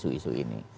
itu kan isu isu ini